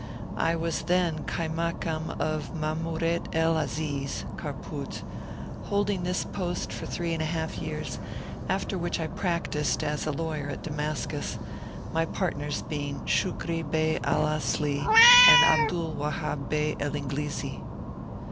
I was then Kaimakam of Mamouret el Aziz (Kharpout), holding this post for three and a half years, after which I practised as a lawyer at Damascus, my partners being Shukri Bey El Asli and Abdul Wahhab Bey El Inglizi.